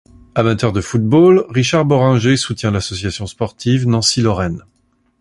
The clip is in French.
Amateur de football, Richard Bohringer soutient l'Association sportive Nancy-Lorraine.